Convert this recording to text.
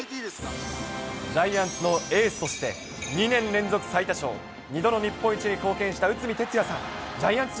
ジャイアンツのエースとして、２年連続最多勝、２度の日本一に貢献した内海哲也さん。